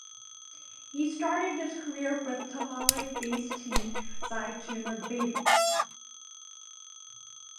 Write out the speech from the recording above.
He started his career with Tamale based team Zaytuna Babies.